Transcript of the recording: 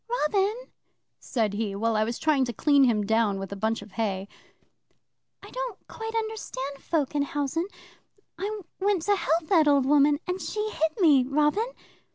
'"Robin," said he, while I was trying to clean him down with a bunch of hay, "I don't quite understand folk in housen. I went to help that old woman, and she hit me, Robin!"